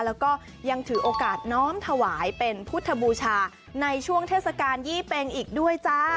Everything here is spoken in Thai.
แล้วก็ยังถือโอกาสน้อมถวายเป็นพุทธบูชาในช่วงเทศกาลยี่เป็งอีกด้วยจ้า